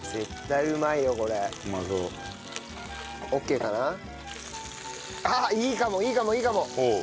ああいいかもいいかもいいかも！